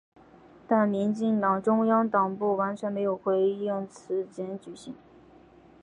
但民进党中央党部完全没有回应此检举信。